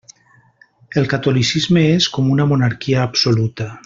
El catolicisme és com una monarquia absoluta.